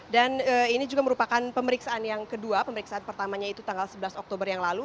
dan ini juga merupakan pemeriksaan yang kedua pemeriksaan pertamanya itu tanggal sebelas oktober yang lalu